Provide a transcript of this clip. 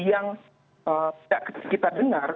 yang tidak kita dengar